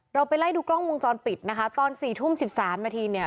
เราไปไล่ดูกล้องวงจรปิดนะคะตอนสี่ทุ่มสิบสามนาทีเนี้ย